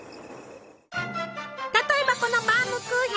例えばこのバウムクーヘン。